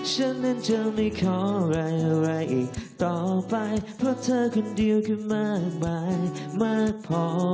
ฉันนั้นจะไม่ขออะไรอะไรอีกต่อไปเพราะเธอคนเดียวคือมากมายมากพอ